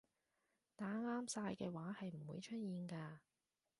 打啱晒嘅話係唔會出現㗎